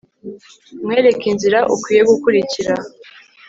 nkwereke inzira ukwiye gukurikira